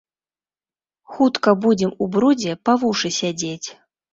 Хутка будзем у брудзе па вушы сядзець.